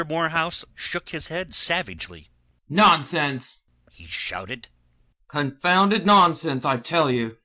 Morehouse shook his head savagely. "Nonsense!" he shouted, "confounded nonsense, I tell you!